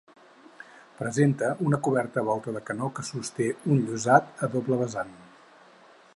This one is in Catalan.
Presenta una coberta en volta de canó que sosté un llosat a doble vessant.